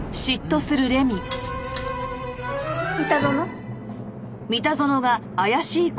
三田園。